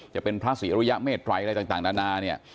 จะเป็นพระศรีอรุยะเมตรัยอะไรต่างนานาเนี่ย